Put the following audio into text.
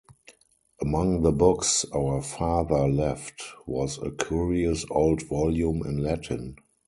Among the books our father left was a curious old volume in Latin.